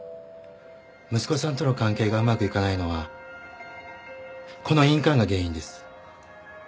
息子さんとの関係がうまくいかないのはこの印鑑が原因です。